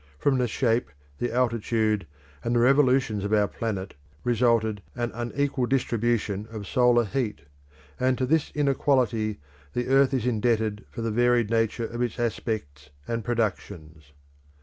From the shape, the altitude, and the revolutions of our planet, resulted an unequal distribution of solar heat, and to this inequality the earth is indebted for the varied nature of its aspects and productions.